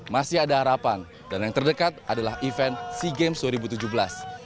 masih ada harapan dan yang terdekat adalah event sea games dua ribu tujuh belas